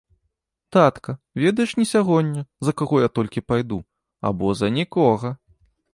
Татка, ведаеш не сягоння, за каго я толькі пайду, або за нікога.